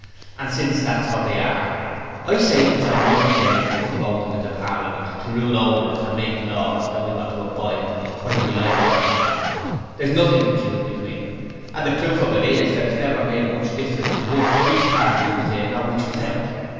And since that's what they are, I say it's a mug's game for us to vote 'em into Parliament to rule over us and to make laws that we've got to abide by whether we like it or not. There's nothing to choose between 'em, and the proof of it is that it's never made much difference to us which party was in or which was out.